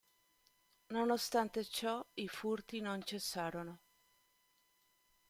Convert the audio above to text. Nonostante ciò, i furti non cessarono.